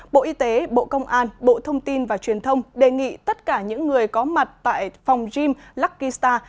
bộ y tế bộ công an bộ thông tin và truyền thông đề nghị tất cả những người có mặt tại phòng gym luckystar